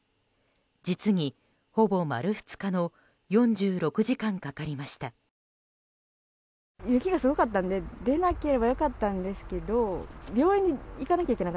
実にほぼ丸２日の４６時間かかりました。